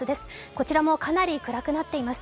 こちらもかなり暗くなっています。